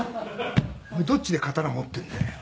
「どっちで刀持ってんだよ」